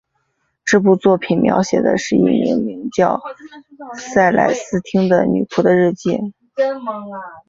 这部作品描写的是一名名叫塞莱丝汀的女仆的日记。